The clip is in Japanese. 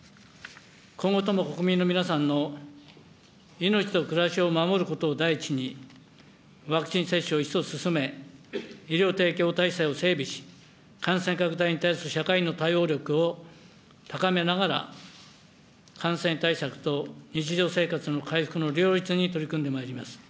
今後とも国民の皆さんの命と暮らしを守ることを第一に、ワクチン接種を一層進め、医療提供体制を整備し、感染拡大に対する社会の対応力を高めながら、感染対策と日常生活の回復の両立に取り組んでまいります。